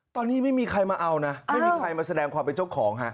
ตอนนี้ไม่มีใครมาเอานะไม่มีใครมาแสดงความเป็นเจ้าของฮะ